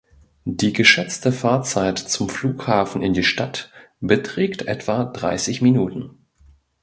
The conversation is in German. Die geschätzte Fahrzeit zum Flughafen in die Stadt beträgt etwa dreißig Minuten.